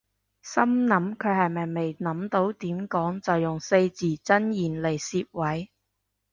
心諗佢係咪未諗到點講就用四字真言嚟攝位